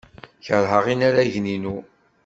Keṛheɣ inaragen-inu.